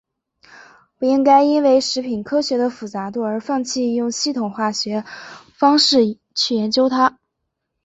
不应该因为食品科学的复杂度而放弃用系统化方式去研究它。